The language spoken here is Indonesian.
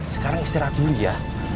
sekarang istirahat dulu ya